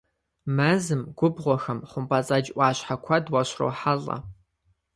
Мэзым, губгъуэхэм хъумпӏэцӏэдж ӏуащхьэ куэд уащрохьэлӏэ.